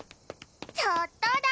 ちょっとだけ！